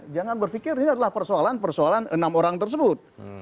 jangan berpikir ini adalah persoalan persoalan enam orang tersebut